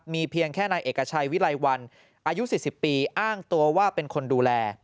มีเพียงแค่นายเอกชัยวิไลวันอายุ๔๐ปีอ้างตัวว่าเป็นคนดูแล